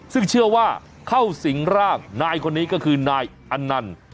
ซึ่งเชื่อว่าเข้าสิงร่างนายคนนี้ก็คือนายอันนันต์